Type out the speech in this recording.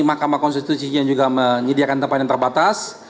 mahkamah konstitusi yang juga menyediakan tempat yang terbatas